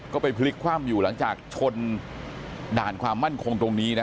ก็ไปพลิกคว่ำอยู่หลังจากชนด่านความมั่นคงตรงนี้นะ